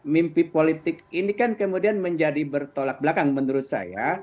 mimpi politik ini kan kemudian menjadi bertolak belakang menurut saya